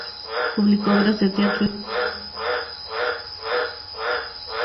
Publicó obras de teatro y novelas.